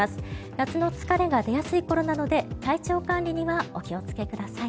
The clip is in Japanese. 夏の疲れが出やすいころなので体調管理にはお気を付けください。